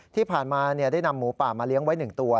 ที่ผ่านมาได้นำหมูป่ามาเลี้ยงไว้๑ตัว